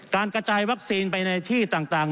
การกระจายวัคซีนไปในที่ต่าง